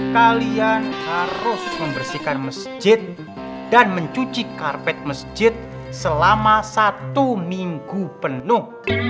kalian harus membersihkan masjid dan mencuci karpet masjid selama satu minggu penuh